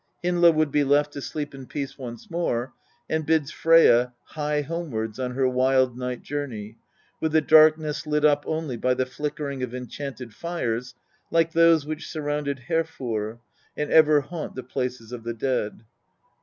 Hyndla would be left to sleep in peace once more, and bids Freyja hie homewards on her wild night journey, with the darkness lit up only by the flickering of enchanted fires like those which surrounded Hervor, and ever haunt the places of the dead.